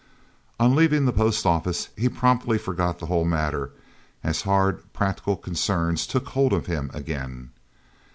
On leaving the post office, he promptly forgot the whole matter, as hard, practical concerns took hold of him, again.